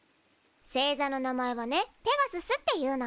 星座の名前はね「ペガスス」っていうの。